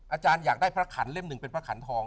อาจารย์อยากได้พระขันเล่มหนึ่งเป็นพระขันทอง